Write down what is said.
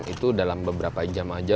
itu dalam beberapa jam aja